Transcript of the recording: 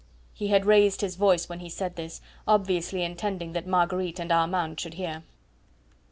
He had raised his voice when he said this, obviously intending that Marguerite and Armand should hear.